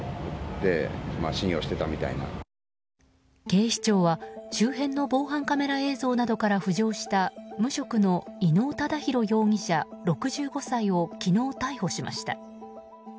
警視庁は周辺の防犯カメラ映像などから浮上した無職の伊能忠弘容疑者、６５歳を昨日、逮捕しました。